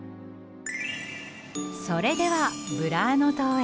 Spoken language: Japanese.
それではブラーノ島へ。